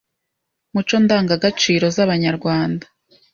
muco n’indangagaciro z’Abanyarwanda